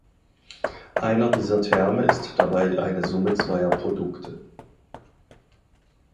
Einer dieser Terme ist dabei eine Summe zweier Produkte.